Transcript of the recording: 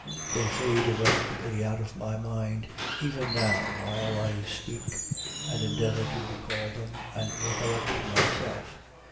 They fade irrevocably out of my mind even now while I speak and endeavor to recall them, and recollect myself.